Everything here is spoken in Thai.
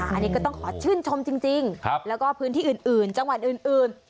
อันนี้ก็ต้องขอชื่นชมจริงแล้วก็พื้นที่อื่นจังหวัดอื่น